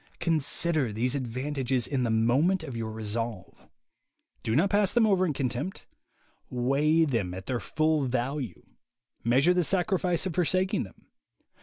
Consider these advantages in the moment of your resolve. Do not pass them over in contempt. Weigh them at their full value. Measure the sacrifice of forsaking them.